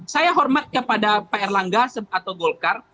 saya hormat kepada pak erlangga atau golkar